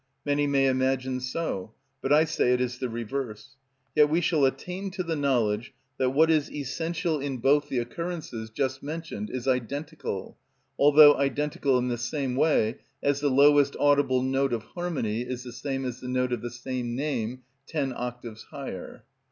Many may imagine so, but I say it is the reverse. Yet we shall attain to the knowledge that what is essential in both the occurrences just mentioned is identical; although identical in the same way as the lowest audible note of harmony is the same as the note of the same name ten octaves higher.